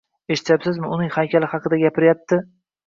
Eshityapsizmi, uning haykali haqida gapiryapti?